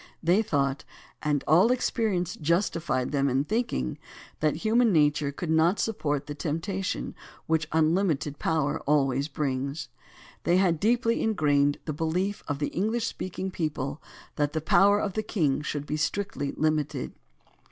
They thought, and all experience justified them in thinking, that human nature could not support the temptation which unlimited power always brings. They had deeply ingrained the behef of the Enghsh speaking people that the power of the king should be strictly Hmited.